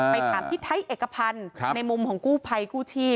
ถามพี่ไทยเอกพันธ์ในมุมของกู้ภัยกู้ชีพ